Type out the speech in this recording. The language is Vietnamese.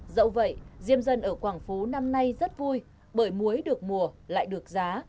dẫu vậy diêm dân ở quảng phú năm nay rất vui bởi muối được mùa lại được giá